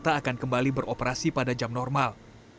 dan transjakarta akan kembali beroperasi pada jam normal